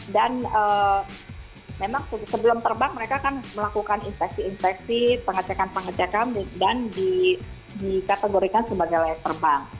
dan memang sebelum terbang mereka kan melakukan infeksi infeksi pengecekan pengecekan dan dikategorikan sebagai layak terbang